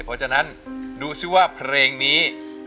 เพราะฉะนั้นดูซิว่าเพลงนี้